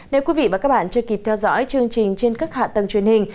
nếu quý vị và các bạn chưa kịp theo dõi chương trình trên các hạ tầng truyền hình